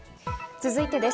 続いてです。